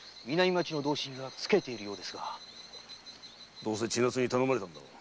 どうせ千奈津に頼まれたんだろう。